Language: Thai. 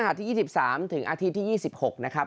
ที่๒๓ถึงอาทิตย์ที่๒๖นะครับ